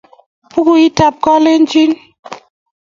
Bukuit ap Kalenjin.